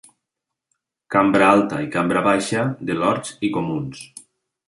Cambra alta i Cambra baixa de Lords i Comuns.